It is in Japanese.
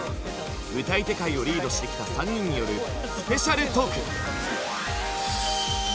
歌い手界をリードしてきた３人によるスペシャルトーク。